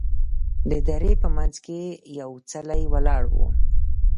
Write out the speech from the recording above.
د درې په منځ کې یې یو څلی ولاړ و.